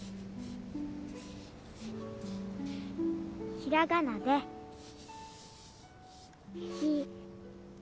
ひらがなで「ひな」